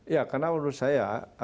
ya karena menurut saya